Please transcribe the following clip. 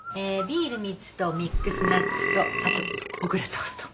ビール３つとミックスナッツとあと小倉トースト。